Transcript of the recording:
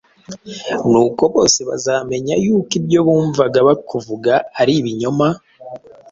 Nuko bose bazamenya yuko ibyo bumvaga bakuvuga ari ibinyoma: